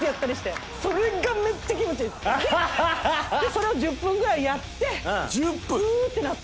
それを１０分ぐらいやってふーってなって。